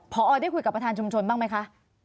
พอได้คุยกับประธานชุมชนบ้างไหมคะ